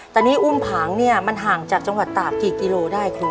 แต่นี่อุ้มผางเนี่ยมันห่างจากจังหวัดตากกี่กิโลได้ครู